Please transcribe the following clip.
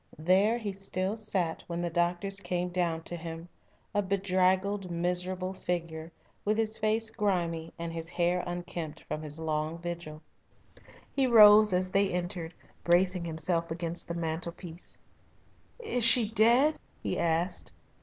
There he still sat when the doctors came down to him a bedraggled, miserable figure with his face grimy and his hair unkempt from his long vigil. He rose as they entered, bracing himself against the mantelpiece. "Is she dead?" he asked.